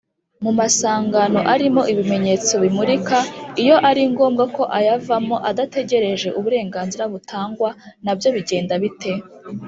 mumasangano arimo ibimenyetso bimurika iyo aringombwa ko ayavamo adategereje uburenganzira butangwa nabyo bigenda bite